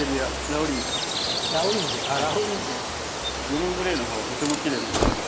ブルーグレーの葉がとてもきれいなんですよ。